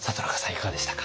いかがでしたか？